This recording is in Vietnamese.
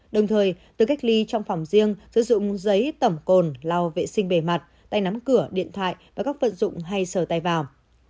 đồng thời tự cách ly trong phòng riêng sử dụng giấy tẩm cồn lau vệ sinh bề mặt tay nắm cửa điện thoại và các vận dụng hay sờ tay vào